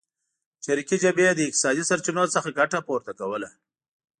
چریکي جبهې له اقتصادي سرچینو څخه ګټه پورته کوله.